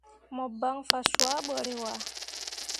Mo ban fa cuah bo rǝwaa.